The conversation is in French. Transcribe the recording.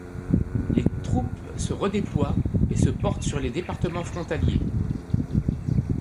Les troupes se redéploient et se portent sur les départements frontaliers.